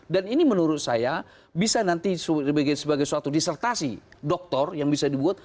dan ini menurut saya bisa nanti sebagai suatu disertasi dokter yang bisa dibuat